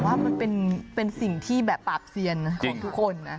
ว่ามันเป็นสิ่งที่แบบปราบเซียนของทุกคนนะ